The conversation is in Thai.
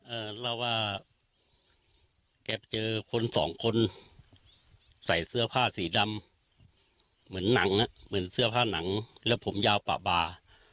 เล่าว่าแกเจอคนสองคนใส่เสื้อผ้าสีดำเหมือนหนังอ่ะเหมือนเสื้อผ้าหนังและผมยาวป่าบา